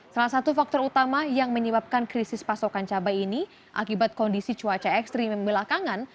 salah satu faktor utama yang menyebabkan krisis pasokan cabai ini akibat kondisi cuaca ekstrim yang belakangan